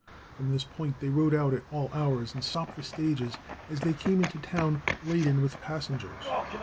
From this point they rode out at all hours and stopped the stages as they came into town laden with passengers.